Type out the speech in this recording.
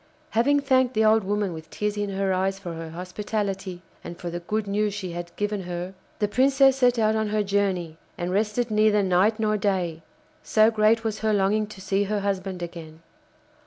Having thanked the old woman with tears in her eyes for her hospitality, and for the good news she had given her, the Princess set out on her journey and rested neither night nor day, so great was her longing to see her husband again.